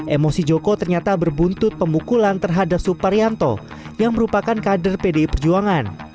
emosi joko ternyata berbuntut pemukulan terhadap suparyanto yang merupakan kader pdi perjuangan